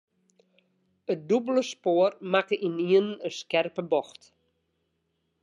It dûbelde spoar makke ynienen in skerpe bocht.